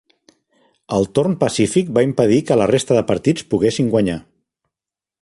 El Torn Pacífic va impedir que la resta de partits poguessin guanyar.